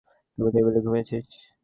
তুই টেবিলে ঘুমিয়েছিস?